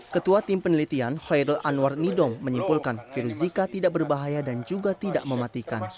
ketua tim penelitian hoidal anwar nidong menyimpulkan virus zika tidak berbahaya dan juga tidak mematikan